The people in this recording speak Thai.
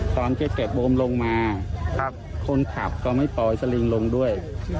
ตอนเก็บบมลงมาครับคนขับก็ไม่ปล่อยสลิงลงด้วยอ๋อ